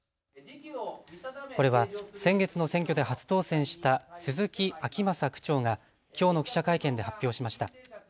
これは先月の選挙で初当選した鈴木晶雅区長がきょうの記者会見で発表しました。